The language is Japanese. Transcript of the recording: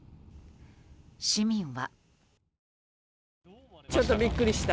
市民は。